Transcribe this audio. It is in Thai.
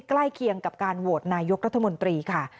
เคียงกับการโหวตนายกรัฐมนตรีค่ะ